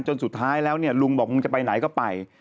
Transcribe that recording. จนสุดท้ายแล้วลุงบอกมึงจะไปไหนก็ไป